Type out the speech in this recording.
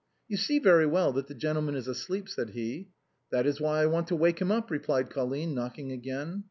" You see very well that the gentleman is asleep," said he. " That is why I want to wake him up," replied Colline, knocking again.